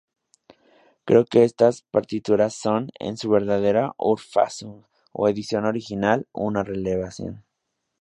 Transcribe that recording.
Creo que estas partituras son, en su verdadera "ur-fassung, o" edición original, una revelación.